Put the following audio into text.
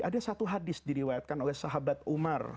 ada satu hadis diriwayatkan oleh sahabat umar